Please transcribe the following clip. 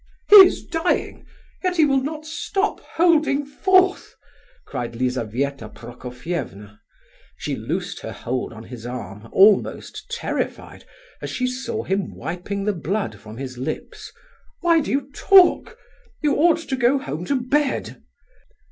"He is dying, yet he will not stop holding forth!" cried Lizabetha Prokofievna. She loosed her hold on his arm, almost terrified, as she saw him wiping the blood from his lips. "Why do you talk? You ought to go home to bed."